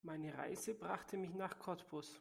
Meine Reise brachte mich nach Cottbus